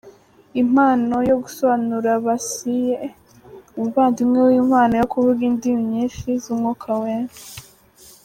Impano yo gusobanura basiye “umuvandimwe w’impano yo kuvuga indimi nyinshi z’Umwuka Wera”.